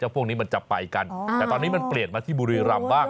พวกนี้มันจะไปกันแต่ตอนนี้มันเปลี่ยนมาที่บุรีรำบ้าง